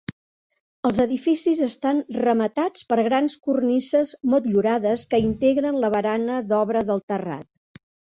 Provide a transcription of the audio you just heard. Els edificis estan rematats per grans cornises motllurades que integren la barana d'obra del terrat.